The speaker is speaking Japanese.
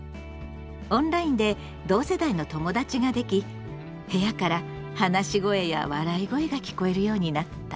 オンラインで同世代の友だちができ部屋から話し声や笑い声が聞こえるようになった。